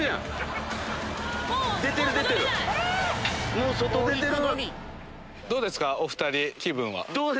もう外出てる！